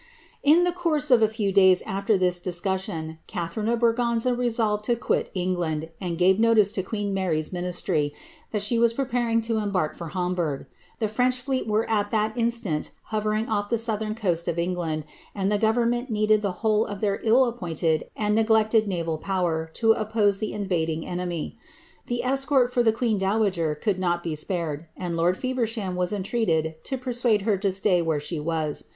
In the course of a few days after this discussion, CSatharine of Bi»> ganza resolved to quit England, and gave notice to queen Mary's ninii iry that she was preparing to embark for Hamburgh. The French fled were at that instant hovering off the southern coast of England, and the government needed the whole of their ill appointed and neglected naval power to oppose the invading enemy ; the escort for the queen dowager could not be spared, and lord Feversham was entreated to persuade hn to suiy where she was.